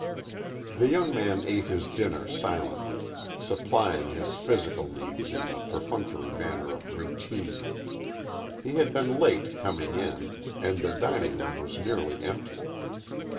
The young man ate his dinner silently supplying his physical needs in the perfunctory manner of routine. He had been late coming in, and the dining room was nearly empty.